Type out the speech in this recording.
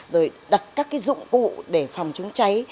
rồi đặt các dụng cụ để phòng chống cháy